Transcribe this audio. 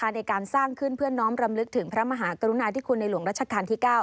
ในการสร้างขึ้นเพื่อน้องรำลึกถึงพระมหากรุณาธิคุณในหลวงรัชกาลที่๙